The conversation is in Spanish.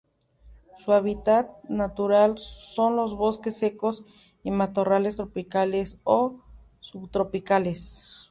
Su hábitat natural son los bosques secos y matorrales tropicales o subtropicales.